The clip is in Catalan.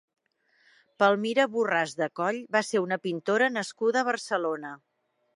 Palmira Borràs de Coll va ser una pintora nascuda a Barcelona.